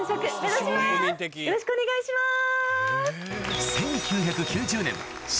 よろしくお願いします。